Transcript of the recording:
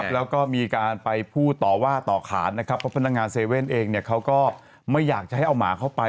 แล้วก็มีการไปพูดต่อว่าต่อขานนะครับเพราะพนักงาน๗๑๑เองเขาก็ไม่อยากจะให้เอาหมาเข้าไป